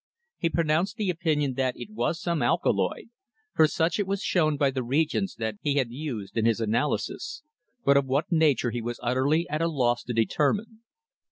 He pronounced the opinion that it was some alkaloid, for such it was shown by the reagents he had used in his analysis, but of what nature he was utterly at a loss to determine.